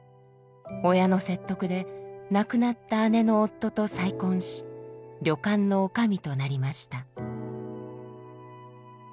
親の説得で亡くなった姉の夫と再婚し旅館のおかみとなりました。